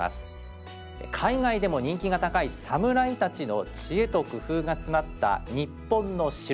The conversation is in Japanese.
海外でも人気が高い「サムライ」たちの知恵と工夫が詰まった日本の城。